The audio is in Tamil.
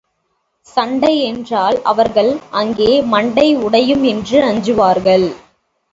சண்டை என்றால் அவர்கள் அங்கே மண்டை உடையும் என்று அஞ்சுவார்கள்.